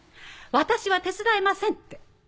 私は手伝えませんって。